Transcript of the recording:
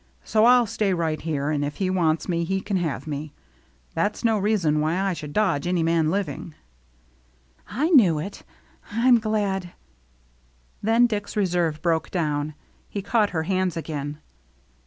So I'll stay right here, and if he wants me, he can have me. That's no reason why I should dodge any man living." "I knew it — I'm glad —" Then Dick's reserve broke down. He caught her hands again.